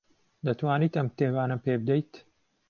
دەتوانیت ئەو کتێبانەم پێ بدەیت؟